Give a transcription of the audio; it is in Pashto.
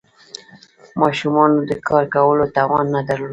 ماشومانو د کار کولو توان نه درلود.